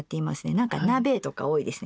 なんか鍋とか多いですね